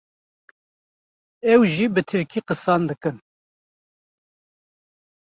ew jî bi Tirkî qisan dikin.